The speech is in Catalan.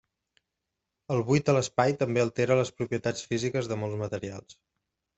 El buit a l'espai també altera les propietats físiques de molts materials.